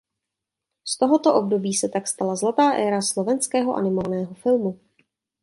Z tohoto období se tak stala zlatá éra slovenského animovaného filmu.